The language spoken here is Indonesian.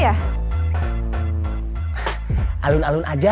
enaknya kita ngabuburit dimana ya